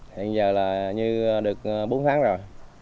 hiện giờ là như được bốn tháng rồi